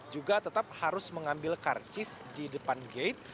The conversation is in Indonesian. juga tetap harus mengambil karcis di depan gate